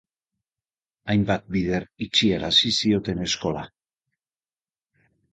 Hainbat bider itxiarazi zioten eskola.